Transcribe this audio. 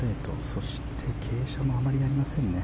そして傾斜もあまりありませんね。